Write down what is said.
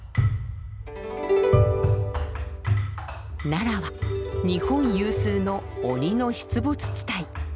奈良は日本有数の鬼の出没地帯。